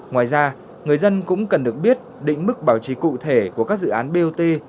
ngoài ra người dân cũng cần được biết định mức bảo trì cụ thể của các dự án bot